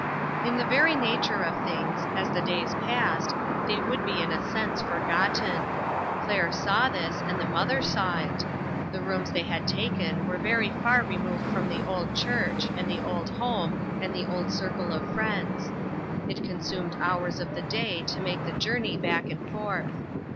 In the very nature of things, as the days passed, they would be in a sense forgotten. Claire saw this, and the mother saw it. The rooms they had taken were very far removed from the old church and the old home and the old circle of friends. It con sumed hours of the day to make the jour ney back and forth.